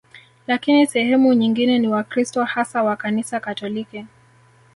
Lakini sehemu nyingine ni Wakristo hasa wa Kanisa Katoliki